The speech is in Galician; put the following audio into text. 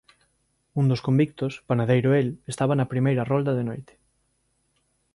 Un dos convictos, panadeiro el, estaba na primeira rolda de noite.